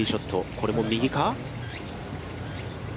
これも右か。